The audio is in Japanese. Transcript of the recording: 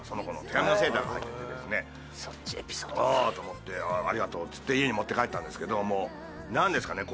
手編みのセーターが入っててですねああー！と思って「ありがとう」っつって家に持って帰ったんですけどもうなんですかね